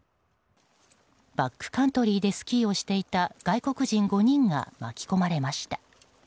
バックカントリーでスキーをしていた外国人５人が巻き込まれました。